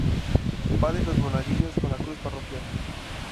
Padre y los monaguillos con la Cruz parroquial.